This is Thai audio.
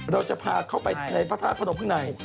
เราจะพาเข้าไปในพระธาตุพระนมข้างใน